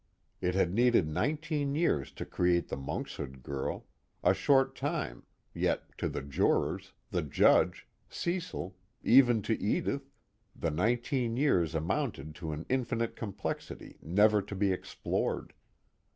It had needed nineteen years to create the Monkshood Girl, a short time, yet to the jurors, the Judge, Cecil, even to Edith, the nineteen years amounted to an infinite complexity never to be explored.